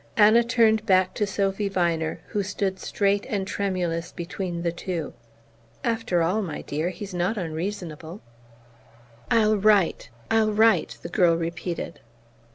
Anna turned back to Sophy Viner, who stood straight and tremulous between the two. "After all, my dear, he's not unreasonable!" "I'll write I'll write," the girl repeated.